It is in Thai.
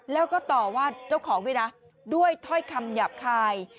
แล้วก็ต่อว่าเจ้าของด้วยนะด้วยถ้อยคำหยาบคาย